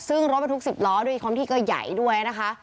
ซึ่งรถบรรทุก๑๐ล้อด้วยความที่ก็ใหญ่ด้วยนะคะ